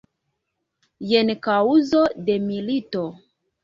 Jen kaŭzo de milito.